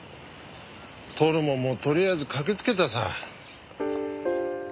取るものも取りあえず駆けつけたさ。